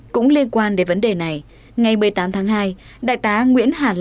cũng liên quan đến vấn đề này ngày một mươi tám tháng hai